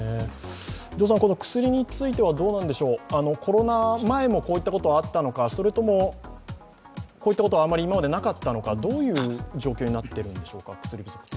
薬についてはコロナ前もコロナ前もこういったことはあったのかそれともこういったことはあまり今までなかったのか、どういった状況でしょうか？